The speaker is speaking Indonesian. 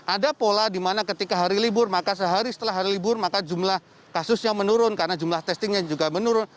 ada pola dimana ketika hari libur maka sehari setelah hari libur maka jumlah kasusnya menurun karena jumlah testingnya juga menurun